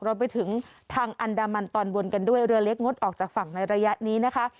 รวมไปถึงทางอันดามันตอนบนกันด้วยเรือเล็กงดออกจากฝั่งในระยะนี้นะคะ